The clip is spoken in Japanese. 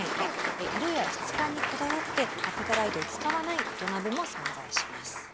色や質感にこだわってペタライトを使わない土鍋も存在します。